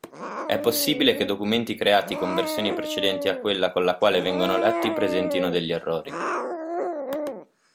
È possibile che documenti creati con versioni precedenti a quella con la quale vengono letti presentino degli errori.